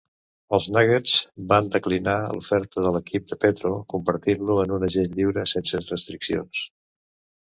Els Nuggets van declinar l'oferta de l'equip de Petro, convertint-lo en un agent lliure sense restriccions.